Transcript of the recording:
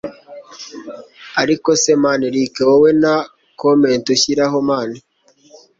ariko se mn erick wowe nta comment ushyiraho mn